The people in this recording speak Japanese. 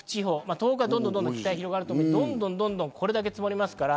東北はどんどん北に広がって、どんどんこれだけ積もりますから。